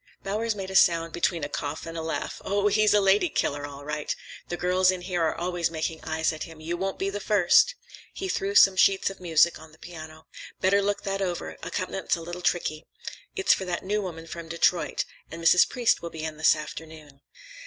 Bowers made a sound between a cough and a laugh. "Oh, he's a lady killer, all right! The girls in here are always making eyes at him. You won't be the first." He threw some sheets of music on the piano. "Better look that over; accompaniment's a little tricky. It's for that new woman from Detroit. And Mrs. Priest will be in this afternoon."